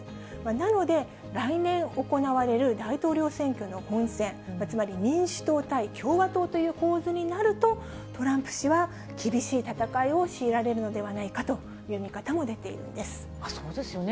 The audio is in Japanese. なので、来年行われる大統領選挙の本選、つまり民主党対共和党という構図になると、トランプ氏は厳しい戦いを強いられるのではないかという見方も出そうですよね。